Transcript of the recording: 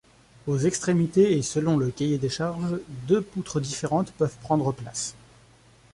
Aux extrémités et selon le cahier des charges, deux poutres différentes peuvent prendre place.